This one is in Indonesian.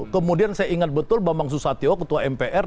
kemudian saya ingat betul bambang susatyo ketua mpr